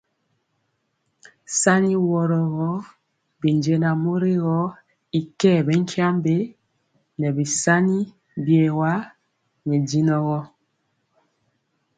Sani woro gɔ binjɛnaŋ mori gɔ y kɛɛ bɛ tyiambe nɛ bisani biewa nyɛ dinɛ gɔ.